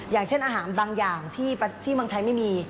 อย่างเช่นอาหารบางอย่างที่เมืองไทยไม่มี